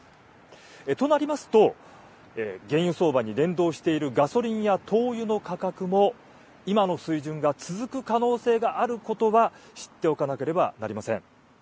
となりますと、原油相場に連動しているガソリンや灯油の価格も、今の水準が続く可能性があることは知っておかなければなりません。